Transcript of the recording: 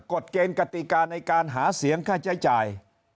กฎเกณฑ์กติกาในการหาเสียงค่าใช้จ่าย